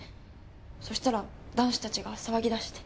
そしたら男子たちが騒ぎ出して。